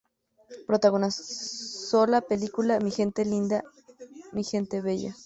Protagonizó la película Mi gente linda, mi gente bella,